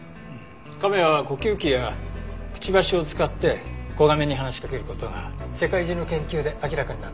亀は呼吸器やくちばしを使って子亀に話しかける事が世界中の研究で明らかになってるんですよ。